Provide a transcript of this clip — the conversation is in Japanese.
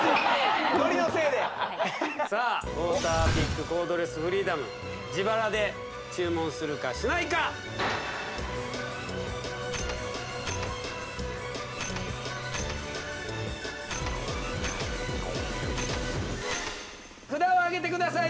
ノリのせいでさあウォーターピックコードレスフリーダム自腹で注文するかしないか札をあげてください